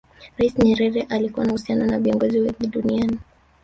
rais nyerere alikuwa na uhusiano na viongozi wengi duniani